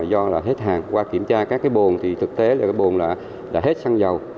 do là hết hàng qua kiểm tra các cái bồn thì thực tế là cái bồn là hết xăng dầu